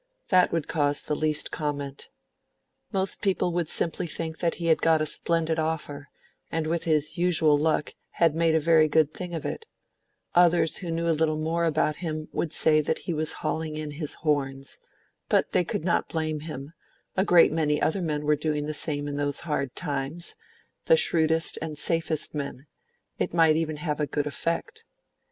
That would cause the least comment. Most people would simply think that he had got a splendid offer, and with his usual luck had made a very good thing of it; others who knew a little more about him would say that he was hauling in his horns, but they could not blame him; a great many other men were doing the same in those hard times the shrewdest and safest men: it might even have a good effect.